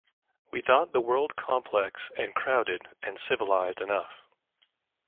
We thought the world complex and crowded and civilised enough.